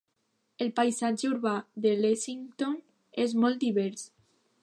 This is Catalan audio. El paisatge urbà de Lexington és molt divers.